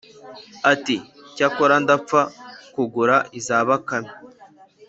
ati: ‘cyakora ndapfa kugura iza bakame.’